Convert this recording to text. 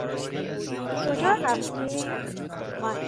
کجا رفتی؟